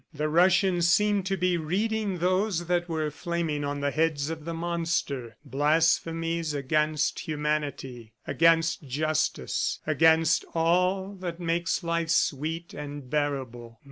The Russian seemed to be reading those that were flaming on the heads of the monster blasphemies against humanity, against justice, against all that makes life sweet and bearable.